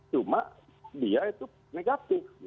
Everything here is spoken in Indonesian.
cuma dia itu negatif